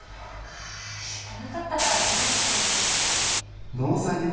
ああ言ってなかったからねほとんどの人に。